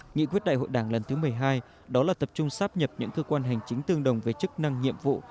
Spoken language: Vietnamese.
nghị quyết đại hội đảng lần thứ một mươi hai đó là tập trung sắp nhập những cơ quan hành chính tương đồng về chức năng nhiệm vụ